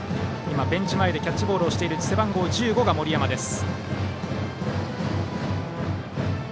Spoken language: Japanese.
ベンチ前でキャッチボールをしている背番号１５が森山です。